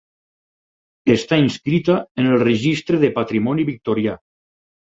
Està inscrita en el Registre de patrimoni victorià.